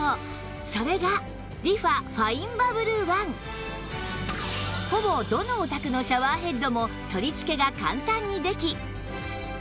それがほぼどのお宅のシャワーヘッドも取り付けが簡単にでき